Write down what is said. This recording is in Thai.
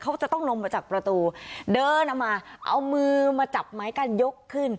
เขาจะต้องลงมาจากประตูเดินออกมาเอามือมาจับไม้กั้นยกขึ้น